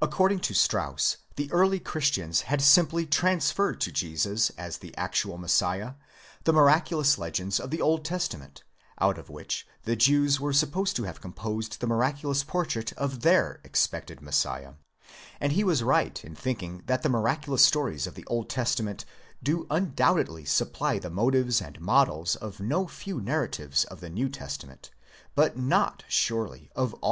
According to Strauss, the early Christians had simply transferred to Jesus as the actual Messiah the miraculous legends of the Old Testament, out of which the Jews were sup posed to have composed the miraculous portrait of their expected Messiah; and he was right in think ing that the miraculous stories of the Old Testa ment do undoubtedly supply the motives and models of no few narratives in the New Testament, but not, surely, of ad